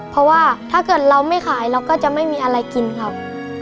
เพราะว่าถ้าเกิดเราไม่ขายเราก็จะไม่มีอะไรกินครับ